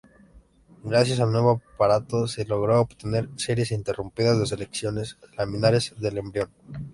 Gracias al nuevo aparato, se logró obtener series ininterrumpidas de secciones laminares del embrión.